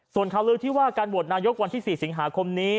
ส่วนข่าวลือที่ว่าการโหวตนายกวันที่๔สิงหาคมนี้